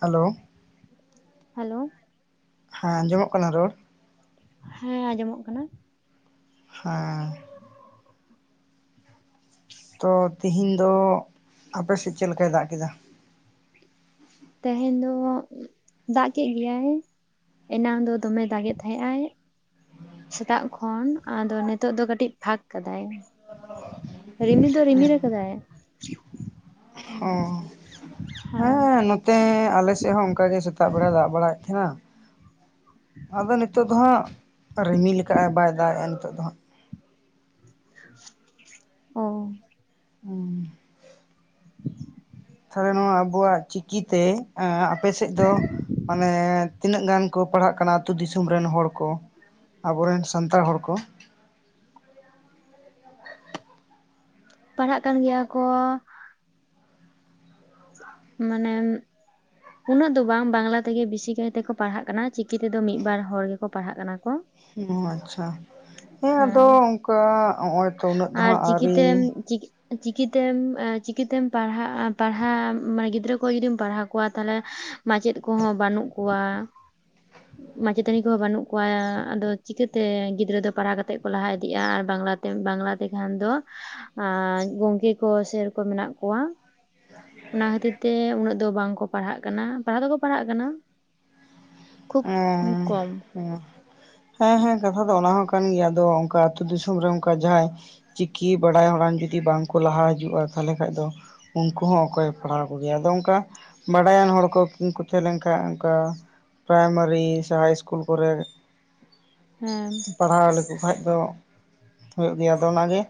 Hello hello ᱦᱮᱸ ᱟᱸᱡᱚᱢᱚᱜ ᱠᱟᱱᱟ ᱨᱚᱲ ᱦᱮᱸ ᱟᱸᱡᱚᱢᱚᱜ ᱠᱟᱱᱟ ᱦᱮᱸ ᱛᱚ ᱛᱤᱦᱤᱧ ᱫᱚ ᱟᱯᱮ ᱥᱮᱫ ᱪᱮᱫ ᱞᱮᱠᱟᱭ ᱫᱟᱜ ᱠᱮᱫᱟ ᱛᱮᱦᱮᱧ ᱫᱚ ᱫᱟᱜ ᱠᱮᱫ ᱜᱮᱭᱟᱭ ᱮᱱᱟᱝ ᱫᱚ ᱫᱚᱢᱮ ᱫᱟᱜᱮᱜ ᱛᱟᱦᱮᱸᱜ-ᱟᱭ᱾ ᱥᱮᱛᱟᱜ ᱠᱷᱚᱱ ᱟᱫᱚ ᱱᱤᱛᱚᱜ ᱫᱚ ᱠᱟᱹᱴᱤᱡ ᱯᱷᱟᱠ ᱠᱟᱫᱟᱭ᱾ ᱨᱤᱢᱤᱞ ᱫᱚ ᱨᱤᱢᱤᱞ ᱠᱟᱫᱟᱭ ᱦᱚᱸ ᱦᱮ ᱦᱮᱸ ᱱᱚᱛᱮ ᱟᱞᱮ ᱥᱮᱫ ᱦᱚᱸ ᱚᱱᱠᱟᱜ ᱜᱮ ᱥᱮᱛᱟᱜ ᱵᱮᱲᱟ ᱫᱟᱜ ᱵᱟᱲᱟᱭᱮᱫ ᱛᱟᱦᱮᱸᱱᱟ ᱟᱫᱚ ᱱᱤᱛᱳᱜ ᱫᱚ ᱦᱟᱸᱜ ᱨᱤᱢᱤᱞ ᱠᱟᱫ ᱟᱭ ᱵᱟᱭ ᱫᱟᱜᱮᱜᱼᱟ ᱱᱤᱛᱳᱜ ᱫᱚ ᱦᱟᱸᱜ ᱚ ᱩ ᱛᱟᱦᱚᱞᱮ ᱱᱚᱣᱟ ᱟᱵᱚᱣᱟᱜ ᱪᱤᱠᱤ ᱛᱮ ᱟᱯᱮᱥᱮᱫ ᱫᱚ ᱢᱟᱱᱮ ᱛᱤᱱᱟᱹᱜ ᱜᱟᱱ ᱠᱚ ᱯᱟᱲᱦᱟᱜ ᱠᱟᱱᱟ ᱟᱛᱳ ᱫᱤᱥᱚᱢ ᱨᱮᱱ ᱦᱚᱲ ᱠᱚ ᱟᱵᱚᱨᱮᱱ ᱥᱟᱱᱛᱟᱲ ᱦᱚᱲ ᱠᱚ ᱯᱟᱲᱦᱟᱜ ᱠᱟᱱ ᱜᱮᱭᱟ ᱠᱚ ᱢᱟᱱᱮ ᱩᱱᱟᱹᱜ ᱫᱚ ᱵᱟᱝ ᱵᱟᱝᱞᱟ ᱛᱮᱜᱮ ᱵᱮᱥᱤ ᱠᱟᱭᱛᱮ ᱠᱚ ᱯᱟᱲᱦᱟᱜ ᱠᱟᱱᱟ ᱪᱤᱠᱤ ᱛᱮᱫᱚ ᱢᱤᱫ ᱵᱟᱨ ᱦᱚᱲ ᱜᱮᱠᱚ ᱯᱟᱲᱦᱟᱜ ᱠᱟᱱᱟ ᱠᱚ᱾ ᱚ ᱟᱪᱪᱷᱟ ᱾ ᱦᱮᱸ ᱟᱫᱚ ᱚᱱᱠᱟ ᱱᱚᱜ-ᱚᱭ ᱛᱚ ᱩᱱᱟᱹᱜ ᱫᱚ ᱟᱨ ᱦᱟᱸᱜ ᱟᱹᱣᱨᱤ ᱪᱤᱠᱤᱛᱮᱢ ᱪᱤᱠᱤ ᱛᱮᱢ [unintelligible] ᱯᱟᱲᱦᱟᱜ [unintelligible] ᱢᱟᱱᱮ ᱜᱤᱫᱽᱨᱟᱹ ᱠᱚ ᱡᱩᱫᱤᱢ ᱯᱟᱲᱦᱟᱣ ᱠᱚᱣᱟ ᱛᱟᱦᱚᱞᱮ ᱢᱟᱪᱮᱫ ᱠᱚᱦᱚᱸ ᱵᱟᱹᱱᱩᱜ ᱠᱚᱣᱟ ᱢᱟᱪᱮᱛᱟᱹᱱᱤ ᱠᱚᱦᱚᱸ ᱵᱟᱹᱱᱩᱜ ᱠᱚᱣᱟ ᱟᱫᱚ ᱪᱤᱠᱟᱹᱛᱮ ᱜᱤᱫᱽᱨᱟᱹ ᱫᱚ ᱯᱟᱲᱦᱟᱣ ᱠᱟᱛᱮᱫ ᱠᱚ ᱞᱟᱦᱟ ᱤᱫᱤᱜᱼᱟ ᱟᱨ ᱵᱟᱝᱞᱟ ᱵᱟᱝᱞᱟ ᱛᱮᱠᱷᱟᱱ ᱫᱚ ᱜᱚᱢᱠᱮ ᱠᱚ ᱥᱮᱨ ᱠᱚ ᱢᱮᱱᱟᱜ ᱠᱚᱣᱟ [unintelligible] ᱚᱱᱟ ᱠᱷᱟᱹᱛᱤᱨ ᱛᱮ ᱩᱱᱟᱹᱜ ᱫᱚ ᱵᱟᱝ ᱠᱚ ᱯᱟᱲᱦᱟᱜ ᱠᱟᱱᱟ ᱾ᱯᱟᱲᱦᱟᱜ ᱫᱚᱠᱚ ᱯᱟᱲᱦᱟᱜ ᱠᱟᱱᱟ ᱠᱷᱩᱵ [unintelligible] ᱠᱚᱢ ᱦᱮᱸ᱾ ᱦᱮᱸ ᱦᱮᱸ ᱠᱟᱛᱷᱟ ᱫᱚ ᱚᱱᱟ ᱦᱚᱸ ᱠᱟᱱ ᱜᱮᱭᱟ ᱟᱫᱚ ᱚᱱᱠᱟ ᱟᱹᱛᱩ ᱫᱤᱥᱚᱢ ᱨᱮ ᱚᱱᱠᱟ ᱡᱟᱦᱟᱸᱭ ᱪᱤᱠᱤ ᱵᱟᱲᱟᱭ ᱦᱚᱲᱟᱱ ᱡᱩᱫᱤ ᱵᱟᱝᱠᱚ ᱞᱟᱦᱟ ᱦᱤᱡᱩᱜᱼᱟ ᱛᱟᱦᱚᱞᱮ ᱠᱷᱟᱱ ᱫᱚ ᱩᱱᱠᱩ ᱦᱚᱸ ᱚᱠᱚᱭ ᱯᱟᱲᱦᱟᱣ ᱠᱚᱜᱮᱭᱟ ᱟᱫᱚ ᱚᱱᱠᱟ ᱵᱟᱰᱟᱭᱟᱱ ᱦᱚᱲ ᱠᱚ ᱠᱚ ᱛᱟᱦᱮᱸ ᱞᱮᱱᱠᱷᱟᱱ ᱚᱱᱠᱟ ᱯᱨᱟᱭᱢᱟᱨᱤ ᱥᱮ ᱦᱟᱭ ᱤᱥᱠᱩᱞ ᱠᱚᱨᱮ ᱦᱮᱸ᱾ ᱯᱟᱲᱦᱟᱣ ᱞᱮᱠᱚ ᱠᱷᱟᱡᱽ ᱫᱚ ᱦᱩᱭᱩᱜ ᱜᱮᱭᱟ ᱾ ᱟᱫᱚ ᱚᱱᱟᱜᱮ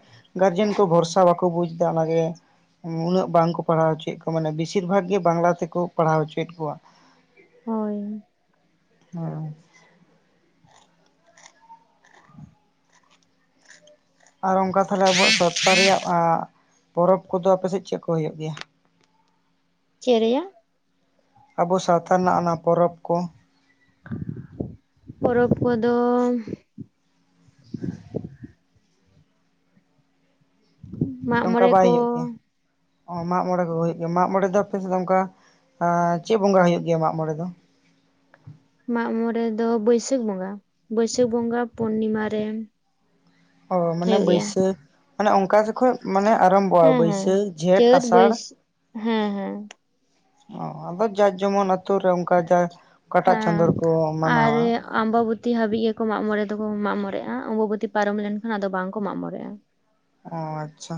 ᱜᱟᱨᱡᱮᱱ ᱠᱚ ᱵᱷᱚᱨᱥᱟ ᱵᱟᱠᱚ ᱵᱩᱡᱽ ᱮᱫᱟ ᱚᱱᱟᱜᱮ ᱩᱱᱟᱹᱜ ᱵᱟᱝᱠᱚ ᱯᱟᱲᱦᱟᱣ ᱦᱚᱪᱚᱭᱮᱫ ᱠᱚᱣᱟ ᱢᱟᱱᱮ ᱵᱮᱥᱤᱨ ᱵᱷᱟᱜᱽ ᱜᱮ ᱵᱟᱝᱞᱟ ᱛᱮᱠᱚ ᱯᱟᱲᱦᱟᱣ ᱦᱚᱪᱚᱭᱮᱫ ᱠᱚᱣᱟ᱾ ᱦᱳᱭ᱾ ᱦᱮᱸ᱾ ᱟᱨ ᱚᱱᱠᱟ ᱛᱟᱦᱚᱞᱮ ᱟᱵᱚᱣᱟᱜ ᱥᱚᱯᱛᱟ ᱨᱮᱭᱟᱜ ᱯᱚᱨᱚᱵᱽ ᱠᱚᱫᱚ ᱟᱯᱮ ᱥᱮᱫ ᱪᱮᱫ ᱠᱚ ᱦᱩᱭᱩᱜ ᱜᱮᱭᱟ? [unintelligible] ᱪᱮᱫ ᱨᱮᱭᱟᱜ? ᱟᱵᱚ ᱥᱟᱶᱛᱟ ᱨᱮᱱᱟᱜ ᱚᱱᱟ ᱯᱚᱨᱚᱵᱽ ᱠᱚ᱾ ᱯᱚᱨᱚᱵᱽ ᱠᱚᱫᱚ ᱥᱮ ᱢᱟᱜ ᱚᱱᱠᱟ ᱢᱚᱬᱮ ᱵᱟᱭ ᱠᱚ ᱦᱩᱭᱩᱜ ᱜᱮᱭᱟ᱾ ᱢᱟᱜ ᱢᱚᱬᱮ ᱠᱚᱜᱮ ᱦᱩᱭᱩᱜ ᱜᱮᱭᱟ ᱢᱟᱜ ᱢᱚᱬᱮ ᱫᱚ ᱟᱯᱮ ᱥᱮᱫ ᱫᱚ ᱚᱱᱠᱟ ᱪᱮᱫ ᱵᱚᱸᱜᱟ ᱦᱩᱭᱩᱜ ᱜᱮᱭᱟ ᱢᱟᱜ ᱢᱚᱬᱮ ᱫᱚ? ᱢᱟᱜ ᱢᱚᱬᱮ ᱫᱚ ᱵᱟᱹᱭᱥᱟᱹᱠᱷ ᱵᱚᱸᱜᱟ ᱵᱟᱹᱭᱥᱟᱹᱠᱷ ᱵᱚᱸᱜᱟ ᱯᱩᱨᱱᱤᱢᱟ ᱨᱮ᱾ ᱦᱚᱭ᱾ ᱢᱟᱱᱮ ᱦᱩᱭᱩᱜ ᱜᱮᱭᱟ ᱵᱟᱹᱭᱥᱟᱹᱠᱷ ᱢᱟᱱᱮ ᱚᱱᱠᱟ ᱡᱚᱠᱷᱚᱱ ᱢᱟᱱᱮ ᱟᱨᱟᱢᱵᱚᱜᱼᱟ ᱦᱮᱸ ᱦᱮᱸ ᱵᱟᱹᱭᱥᱟᱹᱠᱷ ᱡᱷᱮᱸᱴ ᱪᱟᱹᱛ ᱟᱥᱟᱲ ᱵᱟᱹᱭᱥᱟᱹᱠᱷ ᱦᱮᱸ ᱦᱮᱸ᱾ [unintelligible] ᱟᱫᱚ ᱡᱟᱨ ᱡᱮᱢᱚᱱ ᱟᱛᱳ ᱨᱮ ᱚᱱᱠᱟ [unintelligible] ᱚᱠᱟᱴᱟᱜ ᱪᱟᱸᱫᱚ ᱨᱮ ᱠᱚ ᱢᱟᱱᱟᱣᱟ ᱟᱢᱵᱟᱵᱛᱤ ᱦᱟᱹᱵᱤᱡ ᱜᱮᱠᱚ ᱢᱟᱜᱽ ᱢᱚᱬᱮ ᱫᱚᱠᱚ ᱢᱟᱜ ᱢᱚᱸᱬᱮᱜᱼᱟ᱾ ᱟᱢᱵᱟᱵ ᱚᱛᱤ ᱯᱟᱨᱚᱢ ᱞᱮᱱᱠᱷᱟᱱ ᱟᱫᱚ ᱵᱟᱝᱠᱚ ᱢᱟᱜᱽ ᱢᱚᱸᱲᱮᱜᱼᱟ᱾ ᱚ ᱟᱪᱪᱷᱟ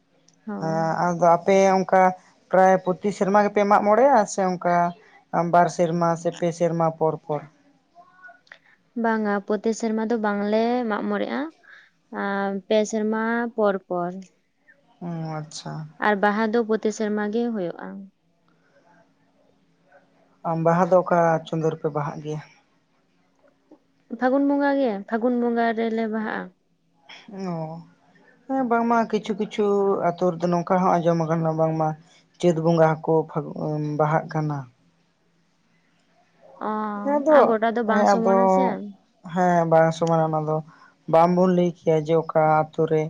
᱾ ᱦᱮᱸ ᱦᱳᱭ ᱟᱫᱚ ᱟᱯᱮ ᱚᱱᱠᱟ ᱯᱨᱟᱭ ᱯᱨᱚᱛᱤ ᱥᱮᱨᱢᱟ ᱜᱮᱯᱮ ᱢᱟᱜ ᱢᱚᱸᱬᱮᱜᱼᱟ ᱥᱮ ᱚᱱᱠᱟ ᱵᱟᱨ ᱥᱮᱨᱢᱟ ᱥᱮ ᱯᱮ ᱥᱮᱨᱢᱟ ᱯᱚᱨ ᱯᱚᱨ ᱵᱟᱝᱼᱟ ᱯᱨᱚᱛᱤ ᱥᱮᱨᱢᱟ ᱫᱚ ᱵᱟᱝᱞᱮ ᱢᱟᱜ ᱢᱚᱸᱬᱮᱜᱼᱟ᱾ [unintelligible] ᱯᱮ ᱥᱮᱨᱢᱟ ᱯᱚᱨᱯᱚᱨ᱾ ᱚ ᱟᱪᱪᱷᱟ᱾ ᱟᱨ ᱵᱟᱦᱟ ᱫᱚ ᱯᱨᱚᱛᱤ ᱥᱮᱨᱢᱟ ᱜᱮ ᱦᱩᱭᱩᱜᱼᱟ᱾ ᱵᱟᱦᱟ ᱫᱚ ᱚᱠᱟ ᱪᱟᱸᱫᱳ ᱨᱮᱯᱮ ᱵᱟᱦᱟᱜ ᱜᱮᱭᱟ? ᱯᱷᱟᱹᱜᱩᱱ ᱵᱚᱸᱜᱟ ᱜᱮ ᱯᱷᱟᱹᱜᱩᱱ ᱵᱚᱸᱜᱟ ᱨᱮᱞᱮ ᱵᱟᱦᱟᱜᱼᱟ᱾ ᱚ ᱦᱮᱸ ᱵᱟᱝᱢᱟ ᱠᱤᱪᱷᱩ ᱠᱤᱪᱷᱩ ᱟᱹᱛᱩ ᱨᱮᱫᱚ ᱱᱚᱝᱠᱟ ᱦᱚᱸ ᱟᱸᱡᱚᱢ ᱟᱠᱟᱱᱟ ᱵᱟᱝᱢᱟ ᱪᱟᱹᱛ ᱵᱚᱸᱜᱟ ᱦᱚᱸᱠᱚ [unintelligible] ᱵᱟᱦᱟᱜ ᱠᱟᱱᱟ ᱚ ᱚᱱᱟᱫᱚ ᱟᱨ ᱜᱚᱴᱟ ᱫᱚ ᱵᱟᱝ ᱦᱮᱸ ᱟᱫᱚ ᱥᱚᱢᱟᱱᱟ ᱥᱮ ᱦᱮᱸ ᱵᱟᱝ ᱥᱚᱢᱚᱱᱟ ᱚᱱᱟ ᱫᱚ ᱵᱟᱝᱵᱚᱱ ᱞᱟᱹᱭ ᱠᱮᱭᱟ ᱡᱮ ᱚᱠᱟ ᱟᱛᱳ ᱨᱮ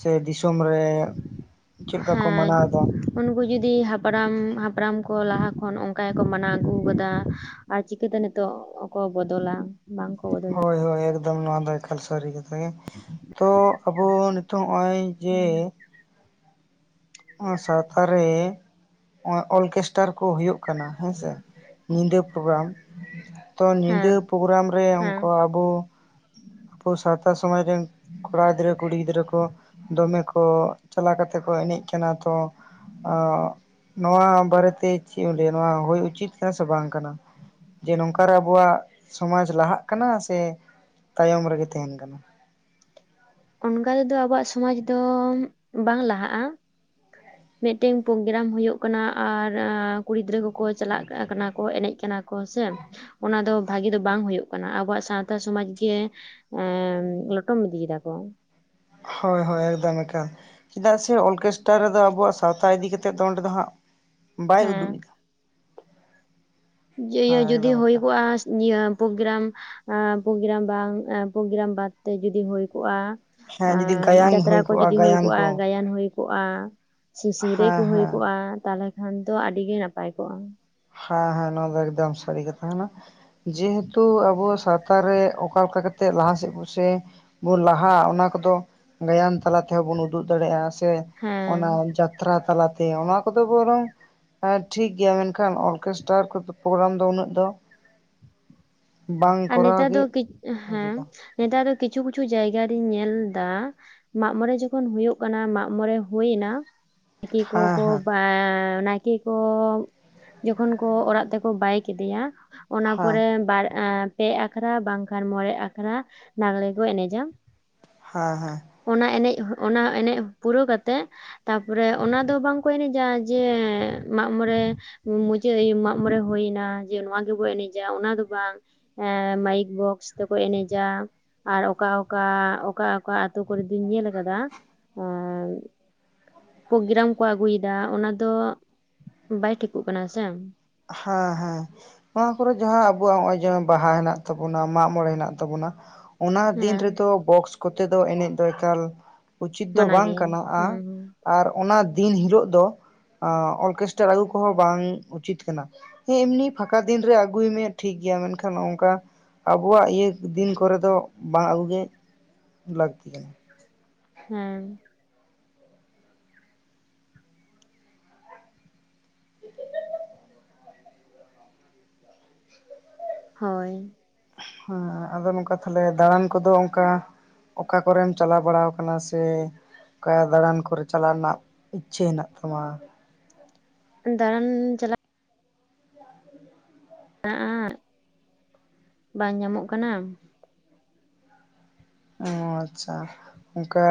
ᱥᱮ ᱫᱤᱥᱚᱢ ᱨᱮ [unintelligible] ᱪᱮᱫ ᱞᱮᱠᱟ ᱠᱚ ᱦᱮᱸ ᱢᱟᱱᱟᱣ ᱮᱫᱟ ᱩᱱᱠᱩ ᱡᱚᱫᱤ ᱦᱟᱯᱲᱟᱢ ᱦᱟᱯᱲᱟᱢ ᱠᱚ ᱞᱟᱦᱟ ᱠᱷᱚᱱ ᱚᱱᱠᱟ ᱜᱮᱠᱚ ᱢᱟᱱᱟᱣ ᱟᱹᱜᱩ ᱠᱟᱫᱟ ᱾ ᱟᱨ ᱪᱤᱠᱟᱹᱛᱮ ᱱᱤᱛᱚᱜ ᱠᱚ ᱵᱚᱫᱚᱞᱟ ᱵᱟᱝ ᱠᱚ ᱵᱚᱫᱞᱟ᱾ ᱦᱳᱭ ᱦᱳᱭ ᱮᱠᱫᱚᱢ ᱱᱚᱣᱟ ᱫᱚ ᱮᱠᱟᱞ ᱥᱟᱹᱨᱤ ᱠᱟᱛᱷᱟ ᱜᱮ ᱛᱚ ᱟᱵᱚ ᱱᱤᱛᱚᱜ ᱱᱚᱜᱼᱚᱭ ᱡᱮ ᱟᱨ ᱥᱟᱶᱛᱟ ᱨᱮ ᱱᱚᱜᱚᱭ ᱚᱨᱠᱮᱥᱴᱟᱨ ᱠᱚ ᱦᱩᱭᱩᱜ ᱠᱟᱱᱟ ᱦᱮᱸᱥᱮ ᱧᱤᱫᱟᱹ ᱯᱨᱳᱜᱨᱟᱢ ᱛᱚ ᱦᱮᱸ ᱧᱤᱫᱟᱹ ᱯᱨᱳᱜᱨᱟᱢ ᱨᱮ ᱦᱮᱸ ᱚᱱᱠᱟ ᱟᱵᱚ ᱟᱵᱚ ᱥᱟᱶᱛᱟ ᱥᱚᱢᱟᱡᱽ ᱨᱮᱱ ᱠᱚᱲᱟ ᱜᱤᱫᱽᱨᱟᱹ ᱠᱩᱲᱤ ᱜᱤᱫᱽᱨᱟᱹ ᱠᱚ ᱾ ᱫᱚᱢᱮ ᱠᱚ ᱪᱟᱞᱟᱣ ᱠᱟᱛᱮ ᱠᱚ ᱮᱱᱮᱡ ᱠᱟᱱᱟ ᱛᱚ ᱾ ᱱᱚᱣᱟ ᱵᱟᱨᱮᱛᱮ ᱪᱮᱫ ᱮᱢ ᱞᱟᱹᱭᱟ ᱱᱚᱣᱟ ᱦᱩᱭ ᱩᱪᱤᱛ ᱠᱟᱱᱟ ᱥᱮ ᱵᱟᱝ ᱠᱟᱱᱟ? ᱡᱮ ᱱᱚᱝᱠᱟᱮ ᱟᱵᱚᱣᱟᱜ ᱥᱚᱢᱟᱡᱽ ᱞᱟᱦᱟᱜ ᱠᱟᱱᱟ ᱥᱮ ᱾ ᱛᱟᱭᱚᱢ ᱨᱮᱜᱮ ᱛᱟᱦᱮᱱ ᱠᱟᱱᱟ ᱾ ᱚᱱᱠᱟ ᱛᱮᱫᱚ ᱟᱵᱚᱣᱟᱜ ᱥᱚᱢᱟᱡᱽ ᱫᱚ ᱵᱟᱝ ᱞᱟᱦᱟᱜᱼᱟ ᱾ ᱢᱤᱫᱴᱮᱱ ᱯᱨᱳᱜᱨᱟᱢ ᱦᱩᱭᱩᱜ ᱠᱟᱱᱟ ᱟᱨ ᱠᱩᱲᱤ ᱜᱤᱫᱽᱨᱟᱹ ᱠᱚᱠᱚ ᱪᱟᱞᱟᱜ ᱠᱟᱱᱟ ᱠᱚ ᱮᱱᱮᱡ ᱠᱟᱱᱟ ᱠᱚ ᱥᱮ ᱾ ᱚᱱᱟ ᱫᱚ ᱵᱷᱟᱜᱤ ᱫᱚ ᱵᱟᱝ ᱦᱩᱭᱩᱜ ᱠᱟᱱᱟ ᱟᱵᱚᱣᱟᱜ ᱥᱟᱶᱛᱟ ᱥᱚᱢᱟᱡᱽ ᱜᱮ ᱾ ᱮ ᱞᱚᱴᱚᱢ ᱤᱫᱤᱭ ᱫᱟᱠᱚ ᱦᱳᱭ ᱦᱳᱭ ᱮᱠᱫᱚᱢ ᱮᱠᱟᱫ ᱪᱮᱫᱟᱜ ᱥᱮ ᱚᱨᱠᱮᱥᱴᱟᱨ ᱨᱮᱫᱚ ᱟᱵᱚᱣᱟᱜ ᱥᱟᱶᱛᱟ ᱤᱫᱤ ᱠᱟ ᱠᱟᱛᱮᱫ ᱫᱚ ᱚᱸᱰᱮ ᱫᱚ ᱦᱟᱸᱜ ᱾ ᱦᱮᱸ ᱵᱟᱭᱩᱫᱩᱜ ᱮᱫᱟ ᱡ ᱤᱭᱟᱹ ᱦᱮᱸ ᱡᱩᱫᱤ ᱮᱠᱫᱚᱢ ᱦᱩᱭ ᱮᱠᱫᱚᱢ ᱠᱚᱜᱼᱟ ᱤᱭᱟᱹ ᱾ ᱯᱨᱳᱜᱨᱟᱢ ᱯᱨᱳᱜᱨᱟᱢ ᱵᱟᱝ ᱯᱨᱳᱜᱨᱟᱢ ᱵᱟᱫᱛᱮ ᱡᱩᱫᱤ ᱦᱩᱭ ᱠᱚᱜᱼᱟ ᱾ ᱮ ᱦᱮᱸ ᱡᱩᱫᱤ ᱜᱟᱭᱟᱱ ᱡᱟᱛᱨᱟ ᱦᱩᱭ ᱠᱚ ᱠᱚᱜᱼᱟ ᱡᱩᱫᱤ ᱦᱩᱭ ᱜᱟᱭᱟᱱ ᱠᱚᱜᱼᱟ ᱠᱚ ᱜᱟᱭᱟᱱ ᱦᱩᱭ ᱠᱚᱜᱼᱟ ᱾ ᱥᱤᱧ ᱥᱤᱝᱨᱟᱹᱭ ᱦᱮᱸ ᱠᱚ ᱦᱩᱭ ᱦᱮᱸ ᱠᱚᱜᱼᱟ ᱛᱟᱦᱚᱞᱮ ᱠᱷᱟᱱ ᱫᱚ ᱟᱹᱰᱤᱜ ᱱᱟᱯᱟᱭ ᱠᱚᱜᱼᱟ ᱾ ᱦᱮᱸ ᱦᱮᱸ ᱱᱚᱶᱟ ᱫᱚ ᱮᱠᱫᱚᱢ ᱥᱟᱹᱨᱤ ᱠᱟᱛᱷᱟ ᱠᱟᱱᱟ ᱡᱮᱦᱮᱛᱩ ᱟᱵᱚ ᱾ ᱞᱟᱛᱟᱨ ᱨᱮ ᱚᱠᱟ ᱞᱮᱠᱟ ᱠᱟᱛᱮᱫ ᱞᱟᱦᱟᱥᱮᱫ ᱠᱚ ᱥᱮ ᱾ ᱵᱚᱱ ᱞᱟᱦᱟᱜᱼᱟ ᱚᱱᱟ ᱠᱚᱫᱚ ᱜᱟᱭᱟᱱ ᱛᱟᱞᱟ ᱛᱮᱦᱚᱸ ᱵᱚᱱ ᱩᱫᱩᱜ ᱫᱟᱲᱮᱭᱟᱜᱼᱟ ᱥᱮ ᱾ ᱦᱮᱸ ᱚᱱᱟ ᱡᱟᱛᱨᱟ ᱛᱟᱞᱟᱛᱮ ᱚᱱᱟ ᱠᱚᱫᱚ ᱵᱚᱨᱚᱝ ᱴᱷᱤᱠᱜᱮᱭᱟ ᱢᱮᱱᱠᱷᱟᱱ ᱾ ᱢᱮᱱᱠᱷᱟᱱ ᱚᱨᱠᱮᱥᱴᱟᱨ ᱠᱚ ᱯᱨᱳᱜᱨᱟᱢ ᱫᱚ ᱩᱱᱟᱹᱜ ᱫᱚ ᱾ ᱟᱨ ᱱᱮᱛᱟᱨ ᱜᱮ ᱫᱚ ᱦᱮᱸ ᱩᱪᱤᱛᱟ ᱱᱮᱛᱟᱨ ᱫᱚ ᱠᱤᱪᱷᱩ ᱠᱤᱪᱷᱩ ᱡᱟᱭᱜᱟ ᱨᱤᱧ ᱧᱮᱞ ᱮᱫᱟ ᱾ ᱢᱟᱜ ᱢᱚᱬᱮ ᱡᱚᱠᱷᱚᱱ ᱦᱩᱭᱩᱜ ᱠᱟᱱᱟ ᱢᱟᱜ ᱢᱚᱬᱮ ᱦᱩᱭᱱᱟ ᱾ ᱱᱟᱭᱠᱮ ᱦᱮᱸ ᱠᱚᱠᱚ ᱦᱮᱸ ᱱᱟᱠᱮ ᱡᱚᱠᱷᱚᱱ ᱠᱚ ᱚᱲᱟᱜ ᱛᱮᱠᱚ ᱵᱟᱭ ᱠᱮᱫᱮᱭᱟ ᱚᱱᱟ ᱦᱮᱸ ᱯᱚᱨᱮ ᱾ ᱯᱮ ᱟᱠᱷᱲᱟ ᱵᱟᱝᱠᱷᱟᱱ ᱢᱚᱬᱮ ᱟᱠᱷᱲᱟ ᱞᱟᱜᱽᱲᱮ ᱠᱚ ᱮᱱᱮᱡᱟ ᱾ ᱦᱮᱸ ᱦᱮᱸ ᱚᱱᱟ ᱮᱱᱮᱡ ᱚᱱᱟ ᱮᱱᱮᱡ ᱯᱩᱨᱟᱹᱣ ᱠᱟᱛᱮᱜ ᱾ ᱛᱟᱯᱚᱨᱮ ᱚᱱᱟ ᱫᱚ ᱵᱟᱝᱠᱚ ᱮᱱᱮᱡᱟ ᱡᱮ ᱢᱟᱜ ᱢᱚᱬᱮ ᱾ ᱢᱩᱪᱟᱹᱫ ᱢᱟᱜ ᱢᱚᱬᱮ ᱦᱩᱭᱱᱟ ᱡᱮ ᱱᱚᱣᱟ ᱜᱮᱵᱚᱱ ᱮᱱᱮᱡᱟ ᱚᱱᱟ ᱫᱚ ᱵᱟᱝ ᱾ ᱢᱟᱭᱤᱠ ᱵᱚᱠᱥ ᱛᱮᱠᱚ ᱮᱱᱮᱡᱟ ᱾ ᱟᱨ ᱚᱠᱟ ᱚᱠᱟ ᱚᱠᱟ ᱚᱠᱟ ᱟᱹᱛᱳ ᱠᱚᱨᱮ ᱫᱩᱧ ᱧᱮᱞ ᱠᱟᱫᱟ ᱾ ᱯᱨᱳᱜᱨᱟᱢ ᱠᱚ ᱟᱹᱜᱩᱭᱫᱟ ᱚᱱᱟ ᱫᱚ ᱵᱟᱭ ᱴᱷᱤᱠᱩᱜ ᱠᱟᱱᱟ ᱥᱮ ᱾ ᱦᱮᱸ ᱦᱮᱸ ᱱᱚᱣᱟ ᱠᱚᱨᱮᱜ ᱡᱟᱦᱟᱸ ᱟᱵᱚᱣᱟᱜ ᱱᱚᱜᱼᱚᱭ ᱡᱮ ᱵᱟᱦᱟ ᱦᱮᱱᱟᱜ ᱛᱟᱵᱚᱱᱟ ᱢᱟᱜ ᱢᱚᱬᱮ ᱦᱮᱱᱟᱜ ᱛᱟᱵᱚᱱᱟ ᱾ ᱚᱱᱟ ᱫᱤᱱ ᱦᱮᱸ ᱨᱮᱫᱚ ᱵᱚᱠᱥ ᱠᱚᱛᱮ ᱫᱚ ᱮᱱᱮᱡ ᱫᱚ ᱮᱠᱟᱞ ᱩᱪᱤᱛ ᱫᱚ ᱢᱟᱱᱟ ᱵᱟᱝ ᱜᱮᱭᱟ ᱠᱟᱱᱟ ᱦᱩᱸ ᱦᱩᱸ ᱾ ᱟᱨ ᱚᱱᱟ ᱫᱤᱱ ᱦᱤᱞᱳᱜ ᱫᱚ ᱚᱨᱠᱮᱥᱴᱟᱨ ᱟᱹᱜᱩ ᱠᱚᱦᱚᱸ ᱵᱟᱝ ᱩᱪᱤᱛ ᱾ ᱦᱮᱸ ᱮᱢᱱᱤ ᱯᱷᱟᱸᱠᱟ ᱫᱤᱱ ᱨᱮ ᱟᱹᱜᱩᱭ ᱢᱮ ᱴᱷᱤᱠ ᱜᱮᱭᱟ ᱢᱮᱱᱠᱷᱟᱱ ᱱᱝᱠᱟ ᱾ ᱟᱵᱚᱣᱟᱜ ᱤᱭᱟᱹ ᱫᱤᱱ ᱠᱚᱨᱮ ᱫᱚ ᱵᱟᱝ ᱟᱹᱜᱩ ᱜᱮ ᱞᱟᱹᱠᱛᱤ ᱠᱟᱱᱟ ᱾ ᱦᱩᱸ ᱦᱳᱭ ᱦᱮᱸ ᱟᱫᱚ ᱱᱚᱝᱠᱟ ᱛᱟᱦᱞᱮ ᱫᱟᱬᱟᱱ ᱠᱚᱫᱚ ᱚᱱᱠᱟ ᱚᱠᱟ ᱠᱚᱨᱮᱢ ᱪᱟᱞᱟᱣ ᱵᱟᱲᱟ ᱠᱟᱱᱟ ᱥᱮ ᱾ ᱚᱠᱟ ᱫᱟᱬᱟᱱ ᱠᱚᱨᱮ ᱪᱟᱞᱟᱜ ᱨᱮᱱᱟᱜ ᱤᱪᱪᱷᱟᱹ ᱦᱮᱱᱟᱜ ᱛᱟᱢᱟ? ᱫᱟᱬᱟᱱ ᱪᱟᱞᱟᱜ ᱢᱮᱱᱟᱜᱼᱟ ᱵᱟᱝ ᱧᱟᱢᱚᱜ ᱠᱟᱱᱟ ᱾ ᱚ ᱟᱪᱪᱷᱟ ᱚᱱᱠᱟ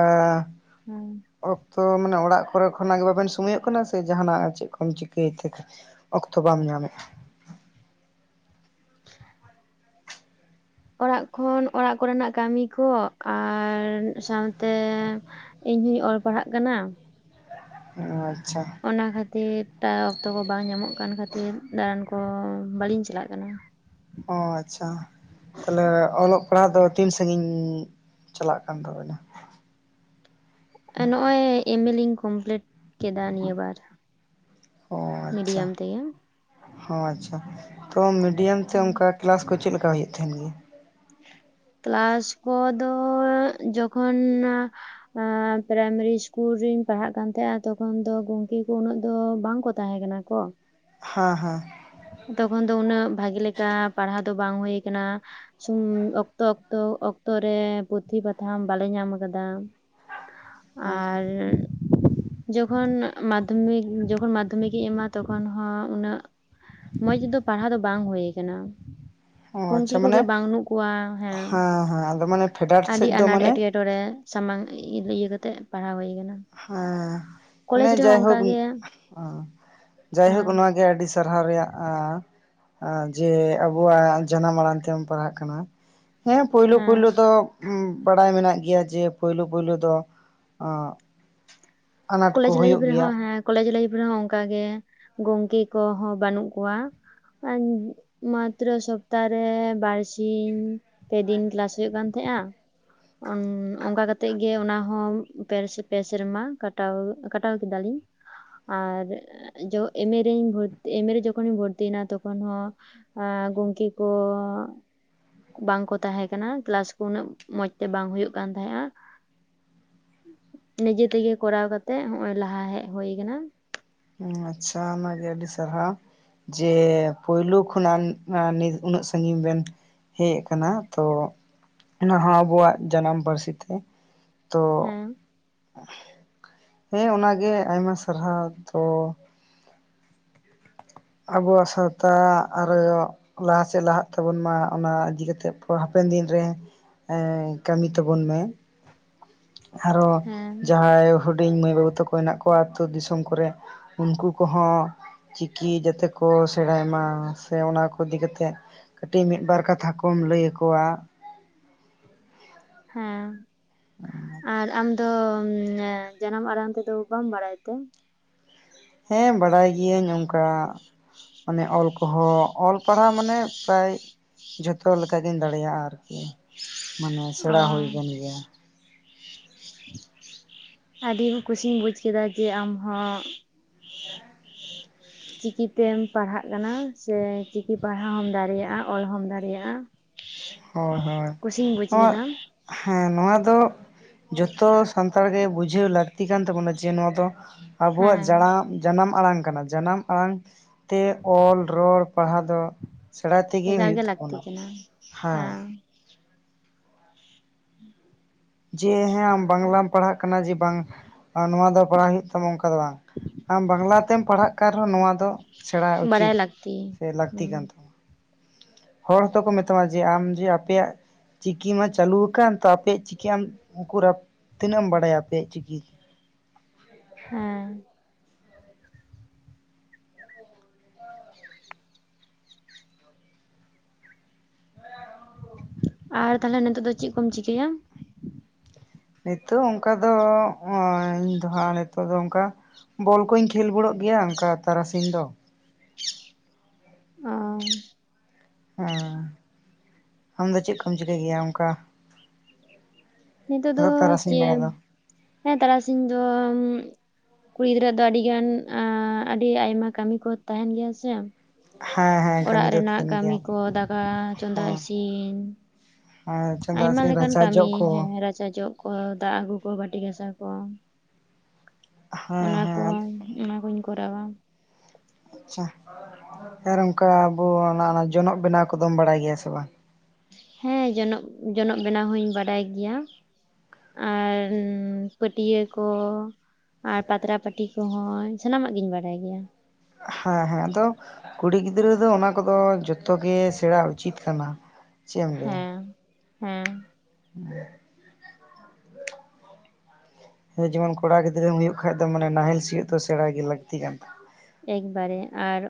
ᱦᱩᱸ ᱚᱠᱛᱚ ᱢᱟᱱᱮ ᱚᱲᱟᱜ ᱠᱚᱨᱮ ᱠᱷᱚᱱᱟᱜ ᱜᱮ ᱵᱟᱵᱮᱱ ᱥᱚᱢᱚᱭᱚᱜ ᱠᱟᱱᱟ ᱥᱮ ᱡᱟᱦᱱᱟᱜ ᱪᱮᱫ ᱠᱚᱢ ᱪᱤᱠᱟᱹᱭᱛᱮ? ᱚᱠᱛᱚ ᱵᱟᱢ ᱧᱟᱢᱮᱜᱼᱟ ᱾ [inaudible] ᱚᱲᱟᱜ ᱠᱷᱚᱱ ᱚᱲᱟᱜ ᱠᱚ ᱨᱮᱱᱟᱜ ᱠᱟᱹᱢᱤ ᱠᱚ ᱟᱨ ᱥᱟᱶ ᱾ ᱛᱮ ᱤᱧ ᱦᱚᱧ ᱚᱞ ᱯᱟᱲᱦᱟᱜ ᱠᱟᱱᱟ ᱾ ᱟᱪᱪᱷᱟ ᱚᱱᱟ ᱠᱷᱟᱹᱛᱤᱨ ᱚᱠᱛᱚ ᱠᱚ ᱵᱟᱝ ᱧᱟᱢᱚᱜ ᱠᱟᱱ ᱠᱷᱟᱹᱛᱤᱨ ᱫᱟᱬᱟᱱ ᱠᱚ ᱵᱟᱹᱞᱤᱧ ᱪᱟᱞᱟᱜ ᱠᱟᱱᱟ ᱾ ᱚ ᱟᱪᱪᱷᱟ ᱛᱟᱦᱞᱮ ᱚᱞᱚᱜ ᱯᱟᱲᱦᱟᱜ ᱫᱚ ᱛᱤᱱ ᱥᱟᱜᱤᱧ ᱪᱟᱞᱟᱜ ᱠᱟᱱ ᱛᱟᱵᱮᱱᱟ? ᱱᱚᱜ ᱚᱭ ᱮᱢᱮ ᱞᱤᱧ ᱠᱚᱢᱯᱞᱤᱴ ᱾ ᱠᱮᱫᱟ ᱱᱤᱭᱟᱹ ᱵᱟᱨ ᱟᱪᱪᱷᱟ ᱢᱤᱰᱤᱭᱟᱢ ᱛᱮᱜᱮ ᱾ ᱚ ᱟᱪᱪᱷᱟ ᱛᱚ ᱢᱤᱰᱤᱭᱟᱢ ᱛᱮ ᱚᱱᱠᱟ ᱠᱮᱞᱟᱥ ᱠᱚ ᱪᱮᱫ ᱞᱮᱠᱟ ᱦᱩᱭᱩᱜ ᱛᱟᱦᱮᱱ ᱜᱮᱭᱟ? ᱠᱞᱟᱥ ᱠᱚᱫᱚ ᱡᱚᱠᱷᱚᱱ ᱯᱨᱟᱭᱢᱟᱨᱤ ᱥᱤᱥᱠᱩᱞ ᱨᱤᱧ ᱯᱟᱲᱦᱟᱜ ᱠᱟᱱ ᱛᱟᱦᱮᱸᱜᱟ ᱛᱚᱠᱷᱚᱱ ᱫᱚ ᱜᱚᱢᱠᱮ ᱠᱚ ᱩᱱᱟᱹᱜ ᱫᱚ ᱵᱟᱝ ᱠᱚ ᱾ ᱛᱟᱦᱮᱸ ᱠᱟᱱᱟ ᱠᱚ ᱦᱮᱸ ᱦᱮᱸ ᱛᱚᱠᱷᱚᱱ ᱫᱚ ᱩᱱᱟᱹᱜ ᱵᱷᱟᱜᱮ ᱞᱮᱠᱟ ᱯᱟᱲᱦᱟᱣ ᱫᱚ ᱵᱟᱝ ᱦᱳᱭ ᱠᱟᱱᱟ ᱾ ᱚᱠᱛᱚ ᱚᱠᱛᱚ ᱚᱠᱛᱚ ᱨᱮ ᱯᱩᱛᱷᱤ ᱯᱟᱛᱷᱟᱢ ᱵᱟᱞᱮ ᱧᱟᱢ ᱠᱟᱫᱟ ᱾ ᱦᱮᱸ ᱟᱨ ᱡᱚᱠᱷᱚᱱ ᱢᱟᱫᱷᱚᱢᱤᱠ ᱡᱚᱠᱷᱚᱱ ᱢᱟᱫᱷᱚᱢᱤᱠᱤᱧ ᱮᱢᱟ ᱛᱚᱠᱷᱚᱱ ᱦᱚᱸ ᱩᱱᱟᱹᱜ ᱢᱚᱸᱡᱽ ᱫᱚ ᱯᱟᱲᱦᱟᱣ ᱫᱚ ᱵᱟᱝ ᱦᱳᱭ ᱠᱟᱱᱟ ᱾ ᱚ ᱜᱚᱢᱠᱮ ᱟᱪᱪᱷᱟ ᱢᱟᱱᱮ ᱠᱚᱜᱮ ᱵᱟᱝᱱᱩᱜ ᱠᱚᱣᱟ ᱦᱮᱸ ᱦᱮᱸ ᱟᱫᱚ ᱢᱟᱱᱮ ᱯᱷᱮᱰᱟᱛ ᱟᱹᱰᱤ ᱥᱮᱫ ᱫᱚ ᱟᱱᱟᱴ ᱢᱟᱱᱮ ᱮᱴᱠᱮ ᱾ ᱮᱴᱠᱮᱴᱚᱨᱮ ᱥᱟᱢᱟᱝ ᱤᱭᱟᱹ ᱠᱟᱛᱮᱜ ᱯᱟᱲᱦᱟᱣ ᱦᱳᱭ ᱠᱟᱱᱟ ᱾ ᱦᱮᱸ ᱢᱟᱱᱮ ᱡᱟᱭᱦᱳᱠ ᱡᱟᱭᱦᱳᱠ ᱦᱮᱸ ᱚᱱᱟ ᱜᱮ ᱟᱹᱰᱤ ᱥᱟᱨᱦᱟᱣ ᱨᱮᱭᱟᱜ ᱾ ᱡᱮ ᱟᱵᱚᱣᱟᱜ ᱡᱟᱱᱟᱢ ᱟᱲᱟᱝ ᱛᱮᱢ ᱯᱟᱲᱦᱟᱜ ᱠᱟᱱᱟ ᱾ ᱦᱮᱸ ᱯᱩᱭᱞᱩ ᱦᱮᱸ ᱯᱩᱭᱞᱩ ᱫᱚ ᱵᱟᱲᱟᱭ ᱢᱮᱱᱟᱜ ᱜᱮᱭᱟ ᱡᱮ ᱯᱩᱭᱞᱩ ᱯᱩᱭᱞᱩ ᱫᱚ ᱟᱱᱟᱴ ᱠᱚᱞᱮᱡᱽ ᱠᱚ ᱞᱟᱭᱤᱯᱷ ᱦᱩᱭᱩᱜ ᱜᱮᱭᱟ ᱨᱮᱦᱚᱸ ᱦᱮᱸ ᱠᱚᱞᱮᱮᱡ ᱞᱟᱭᱤᱯᱷ ᱨᱮᱦᱚᱸ ᱚᱱᱠᱟᱜ ᱜᱮ ᱜᱚᱝᱠᱮ ᱠᱚᱦᱚᱸ ᱵᱟᱹᱱᱩᱜ ᱠᱚᱣᱟ ᱾ ᱢᱟᱛᱨᱚ ᱥᱚᱯᱛᱟᱦᱚ ᱨᱮ ᱵᱟᱨᱥᱤᱧ ᱾ ᱯᱮ ᱫᱤᱱ ᱠᱮᱞᱟᱥ ᱦᱳᱭᱳᱜ ᱠᱟᱱ ᱛᱟᱦᱮᱸᱜᱼᱟ ᱚᱱᱠᱟ ᱠᱟᱛᱮᱜ ᱜᱮ ᱚᱱᱟ ᱦᱚᱸ ᱯᱮ ᱥᱮᱨᱢᱟ ᱠᱟᱴ ᱾ ᱟᱣ ᱠᱟᱴᱟᱣ ᱠᱮᱫ ᱫᱟᱞᱤᱧ ᱟᱨ ᱮᱢᱨᱤᱤᱧ ᱮᱢ ᱨᱮ ᱡᱚᱠᱷᱚᱱᱤᱧ ᱵᱷᱚᱨᱛᱤᱭᱮᱱᱟ ᱛᱚᱠᱷᱚᱱ ᱦᱚᱸ ᱟᱨ ᱜᱚᱝᱠᱮ ᱠᱚ ᱵᱟᱝᱠᱚ ᱛᱟᱦᱮᱸ ᱠᱟᱱᱟ ᱠᱮᱞᱟᱥ ᱠᱚ ᱩᱱᱟᱹᱜ ᱢᱚᱸᱡᱽᱛᱮ ᱵᱟᱝ ᱦᱩᱭᱩᱜ ᱠᱟᱱ ᱛᱟᱦᱮᱸᱫᱼᱟ ᱾ ᱱᱤᱡᱮ ᱛᱮᱜᱮ ᱠᱚᱨᱟᱣ ᱠᱟᱛᱮ ᱦᱚᱸᱜᱼᱚᱭ ᱞᱟᱦᱟ ᱦᱮᱡ ᱦᱩᱭ ᱠᱟᱱᱟ ᱾ ᱟᱪᱪᱷᱟ ᱚᱱᱟᱜᱮ ᱟᱹᱰᱤ ᱥᱟᱨᱦᱟᱣ ᱾ ᱡᱮ ᱯᱳᱭᱞᱳ ᱠᱷᱚᱱᱟᱜ ᱱᱤᱛ ᱩᱱᱟᱹᱜ ᱥᱟᱹᱜᱤᱧ ᱵᱮᱱ ᱦᱮᱡ ᱟᱠᱟᱱᱟ ᱛᱚ ᱚᱱᱟᱦᱚᱸ ᱟᱵᱚᱣᱟᱜ ᱡᱟᱱᱟᱢ ᱯᱟᱹᱨᱥᱤ ᱛᱮ ᱾ ᱛᱚ ᱦᱮᱸ ᱦᱮᱸ ᱚᱱᱟᱜᱮ ᱟᱭᱢᱟ ᱥᱟᱨᱦᱟᱣ ᱛᱚ ᱟᱵᱚᱣᱟᱜ ᱥᱟᱶᱛᱟ ᱟᱨᱚ ᱞᱟᱦᱟ ᱥᱮᱫ ᱞᱟᱦᱟᱜ ᱛᱟᱵᱚᱱ ᱢᱟ ᱚᱱᱟ ᱤᱫᱤᱛᱮᱫ ᱦᱟᱯᱮᱱ ᱫᱤᱱ ᱨᱮ ᱾ ᱠᱟᱹᱢᱤ ᱛᱟᱵᱚᱱ ᱢᱮ ᱟᱨᱚ ᱦᱮᱸ ᱡᱟᱦᱟᱸᱭ ᱦᱩᱰᱤᱧ ᱢᱟᱹᱭ ᱵᱟᱹᱵᱩ ᱛᱟᱠᱚ ᱦᱮᱱᱟᱜ ᱠᱚᱣᱟ ᱟᱹᱛᱩ ᱫᱤᱥᱚᱢ ᱠᱚᱨᱮ ᱩᱱᱠᱩ ᱠᱚᱦᱚᱸ ᱾ ᱠᱤ ᱡᱟᱛᱮ ᱠᱚ ᱥᱮᱬᱟᱭ ᱢᱟ ᱥᱮ ᱚᱱᱟ ᱠᱚ ᱤᱫᱤ ᱠᱟᱛᱮᱫ ᱠᱟᱹᱴᱤᱡ ᱢᱤᱫ ᱵᱟᱨ ᱠᱟᱛᱷᱟ ᱠᱚᱢ ᱞᱟᱹᱭ ᱟᱠᱚᱣᱟ ᱾ ᱦᱮᱸ ᱟᱨ ᱟᱢ ᱫᱚ ᱡᱟᱱᱟᱢ ᱟᱲᱟᱝ ᱛᱮᱫᱚ ᱵᱟᱢ ᱵᱟᱲᱟᱭ ᱛᱮ ᱾ ᱦᱮᱸ ᱵᱟᱲᱟᱭ ᱜᱤᱭᱟᱹᱧ ᱚᱱᱠᱟ ᱢᱟᱱᱮ ᱚᱞ ᱾ ᱦᱚ ᱚᱞ ᱯᱟᱲᱦᱟᱣ ᱢᱟᱱᱮ ᱯᱨᱟᱭ ᱡᱷᱚᱛᱚ ᱞᱮᱠᱟᱜᱤᱧ ᱫᱟᱲᱮᱭᱟᱜᱼᱟ ᱟᱨᱠᱤ ᱾ ᱢᱟᱱᱮ ᱚ ᱥᱮᱬᱟ ᱦᱩᱭ ᱞᱮᱱ ᱜᱮᱭᱟ ᱟᱹᱰᱤ ᱠᱩᱥᱤᱧ ᱵᱩᱡ ᱠᱮᱫᱟ ᱡᱮ ᱟᱢ ᱦᱚᱸ [unintelligible] ᱪᱤᱠᱤᱛᱮᱢ ᱯᱟᱲᱦᱟᱜ ᱠᱟᱱᱟ ᱥᱮ ᱪᱤᱠᱤ ᱯᱟᱲᱦᱟᱣ ᱦᱚᱢ ᱫᱟᱲᱮᱭᱟᱜᱼᱟ ᱚᱞ ᱦᱚᱢ ᱫᱟᱲᱮᱭᱟᱜᱼᱟ ᱦᱳᱭ ᱠᱩᱥᱤᱧ ᱵᱩᱡᱽ ᱦᱳᱭ ᱠᱮᱫᱟ [inaudible] ᱦᱮᱸ ᱱᱚᱣᱟ ᱫᱚ ᱡᱚᱛᱚ ᱥᱟᱱᱛᱟᱲᱜᱮ ᱵᱩᱡᱷᱟᱹᱣ ᱞᱟᱹᱠᱛᱤ ᱠᱟᱱ ᱛᱟᱵᱚᱱᱟ ᱡᱮ ᱱᱚᱣᱟ ᱫᱚ ᱟᱵᱚᱣᱟᱜ ᱦᱮᱸ ᱡᱟᱲᱟ ᱡᱟᱱᱟᱢ ᱟᱲᱟᱝ ᱠᱟᱱᱟ ᱡᱟᱱᱟᱢ ᱟᱲᱟᱝ ᱛᱮ ᱚᱞ ᱨᱚᱲ ᱯᱟᱲᱦᱟᱣ ᱫᱚ ᱥᱮᱬᱟᱭ ᱛᱮᱜᱮ ᱮᱠᱟᱞ ᱦᱩᱭᱩᱜ ᱜᱮ ᱞᱟᱹᱠᱛᱤ ᱛᱟᱵᱚᱱᱟ ᱠᱟᱱᱟ ᱦᱮᱸ ᱡᱮ ᱦᱮᱸ ᱟᱢ ᱵᱟᱝᱞᱟᱢ ᱯᱟᱲᱦᱟᱜ ᱠᱟᱱᱟ ᱡᱮ ᱵᱟᱝ ᱱᱚᱣᱟ ᱫᱚ ᱯᱟᱲᱦᱟᱣ ᱦᱩᱭᱩᱜ ᱛᱟᱢᱟ ᱚᱱᱠᱟ ᱫᱚ ᱵᱟᱝ ᱟᱢ ᱵᱟᱝᱞᱟ ᱛᱮᱢ ᱯᱟᱲᱦᱟᱜ ᱠᱟᱱ ᱨᱮᱦᱚᱸ ᱱᱚᱣᱟ ᱫᱚ ᱥᱮᱬᱟ ᱩᱪᱤᱛ ᱵᱟᱲᱟᱭ ᱞᱟᱹᱠᱛᱤ ᱥᱮ ᱞᱟᱹᱠᱛᱤ ᱦᱩᱸ ᱠᱟᱱ ᱛᱟᱵᱚᱱᱟ ᱦᱚᱲ ᱦᱚᱸᱛᱚ ᱠᱚ ᱢᱮᱛᱟᱢᱟ ᱡᱮ ᱟᱢ ᱡᱮ ᱟᱯᱮᱭᱟᱜ ᱪᱤᱠᱤ ᱢᱟ ᱪᱟᱹᱞᱩᱣᱟᱠᱟᱱ ᱛᱚ ᱟᱯᱮᱭᱟᱜ ᱪᱤᱠᱤ ᱟᱢ ᱩᱠᱩᱨ ᱛᱤᱱᱟᱹᱜ ᱮᱢ ᱵᱟᱲᱟᱭᱟ ᱟᱯᱮᱭᱟᱜ ᱪᱤᱠᱤ ᱦᱮᱸ ᱟᱨ ᱛᱟᱦᱚᱞᱮ ᱱᱤᱛᱚᱜ ᱫᱚ ᱪᱮᱫ ᱠᱚᱢ ᱪᱤᱠᱟᱹᱭᱟ ᱱᱤᱛᱚᱜ ᱚᱱᱠᱟ ᱫᱚ ᱤᱧ ᱫᱚ ᱦᱟᱸᱜ ᱱᱤᱛᱚᱜ ᱫᱚ ᱚᱱᱠᱟ ᱵᱚᱞ ᱠᱚᱧ ᱠᱷᱮᱞ ᱵᱟᱲᱟᱜ ᱜᱮᱭᱟ ᱚᱱᱠᱟ ᱛᱟᱨᱟᱥᱤᱧ ᱫᱚ ᱚᱸ ᱦᱮᱸ ᱟᱢ ᱫᱚ ᱪᱮᱫ ᱠᱚᱢ ᱪᱤᱠᱟᱹᱭ ᱜᱮᱭᱟ ᱚᱱᱠᱟ ᱱᱤᱛᱚᱜ ᱫᱚ ᱟᱫᱚ ᱛᱟᱨᱟᱥᱤᱧ ᱵᱮᱲᱟ ᱪᱮᱫ ᱫᱚ ᱦᱮᱸ ᱛᱟᱨᱟᱥᱤᱧ ᱫᱚ ᱠᱩᱲᱤ ᱜᱤᱫᱽᱨᱟᱹ ᱫᱚ ᱟᱹᱰᱤ ᱜᱟᱱ ᱟᱹᱰᱤ ᱟᱭᱢᱟ ᱠᱟᱹᱢᱤ ᱠᱚ ᱛᱟᱦᱮᱱ ᱜᱮᱭᱟ ᱥᱮ ᱦᱮᱸ ᱦᱮᱸ ᱠᱟᱹᱢᱤ ᱚᱲᱟᱜ ᱫᱚ ᱨᱮᱱᱟᱜ ᱛᱟᱦᱮᱱ ᱠᱟᱹᱢᱤ ᱜᱮᱭᱟ ᱠᱚ ᱫᱟᱠᱟ ᱪᱚᱸᱫᱟ ᱦᱮᱸ ᱤᱥᱤᱱ ᱦᱮᱸ ᱪᱚᱸᱫᱟ ᱟᱭᱢᱟ ᱥᱤᱱ ᱞᱮᱠᱟᱱ ᱨᱟᱪᱟ ᱡᱚᱜ ᱠᱟᱹᱢᱤ ᱠᱚ ᱦᱮᱸ ᱨᱟᱪᱟ ᱡᱚᱜ ᱠᱚ ᱫᱟᱜ ᱟᱹᱜᱩ ᱠᱚ ᱵᱟᱹᱴᱤ ᱜᱟᱥᱟᱣ ᱠᱚ ᱦᱮᱸ ᱚᱱᱟ ᱦᱮᱸ ᱠᱚᱸ ᱚᱱᱟᱠᱩᱧ ᱠᱚᱨᱟᱣᱟ ᱟᱪᱪᱷᱟ ᱟᱨ ᱚᱱᱠᱟ ᱟᱵᱚ ᱡᱚᱱᱚᱜ ᱵᱮᱱᱟᱣ ᱠᱚᱫᱚᱢ ᱵᱟᱲᱟᱭ ᱜᱮᱭᱟ ᱥᱮ ᱵᱟᱝ ᱦᱮᱸ ᱡᱚᱱᱚᱜ ᱡᱚᱱᱚᱜ ᱵᱮᱱᱟᱣ ᱦᱚᱸᱧ ᱵᱟᱰᱟᱭ ᱜᱮᱭᱟ ᱟᱨ ᱯᱟᱹᱴᱭᱟᱹ ᱠᱚ ᱟᱨ ᱯᱟᱛᱲᱟ ᱯᱟᱹᱴᱤ ᱠᱚᱦᱚᱸ ᱥᱟᱱᱟᱢᱟᱜ ᱜᱤᱧ ᱵᱟᱲᱟᱭ ᱜᱮᱭᱟ ᱦᱮᱸ ᱦᱮᱸ ᱟᱫᱚ ᱠᱩᱲᱤ ᱜᱤᱫᱽᱨᱟᱹ ᱫᱚ ᱚᱱᱟ ᱠᱚᱫᱚ ᱡᱚᱛᱚ ᱜᱮ ᱥᱮᱬᱟ ᱩᱪᱤᱛ ᱠᱟᱱᱟ ᱪᱮᱫ ᱦᱮᱸ ᱦᱮᱸ ᱦᱩᱸ ᱡᱮᱢᱚᱱ ᱠᱚᱲᱟ ᱜᱤᱫᱽᱨᱟᱹᱢ ᱦᱩᱭᱩᱜ ᱠᱷᱟᱡ ᱫᱚ ᱢᱟᱱᱮ ᱱᱟᱦᱮᱞ ᱥᱤᱭᱳᱜ ᱫᱚ ᱥᱮᱬᱟᱭ ᱜᱮ ᱞᱟᱹᱠᱛᱤ ᱠᱟᱱ ᱛᱟᱢᱟ ᱮᱠᱵᱟᱨᱮ ᱟᱨ